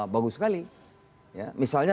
bagus sekali misalnya